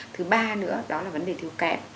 thứ ba nữa đó là vấn đề thiếu kẹp